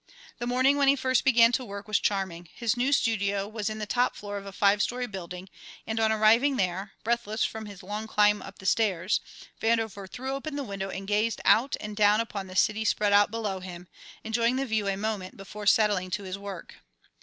The morning when he first began to work was charming. His new studio was in the top floor of a five story building, and on arriving there, breathless from his long climb up the stairs, Vandover threw open the window and gazed out and down upon the city spread out below him, enjoying the view a moment before settling to his work.